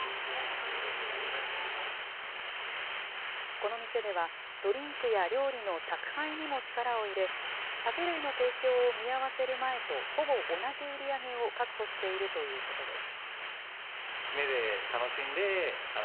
この店では、ドリンクや料理の宅配にも力を入れ、酒類の提供を見合わせる前とほぼ同じ売り上げを確保しているということです。